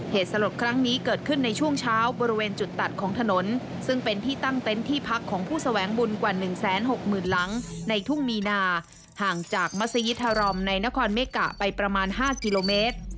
เหตุสลดครั้งนี้เกิดขึ้นในช่วงเช้าบริเวณจุดตัดของถนนซึ่งเป็นที่ตั้งเต็นต์ที่พักของผู้แสวงบุญกว่า๑๖๐๐๐หลังในทุ่งมีนาห่างจากมัศยิธารมในนครเมกะไปประมาณ๕กิโลเมตร